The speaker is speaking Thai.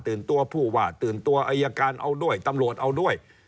ตัวผู้ว่าตื่นตัวอายการเอาด้วยตำรวจเอาด้วย